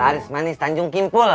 laris manis tanjung kimpul